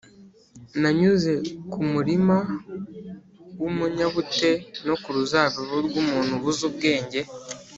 nanyuze ku murima w’umunyabute, no ku ruzabibu rw’umuntu ubuze ubwenge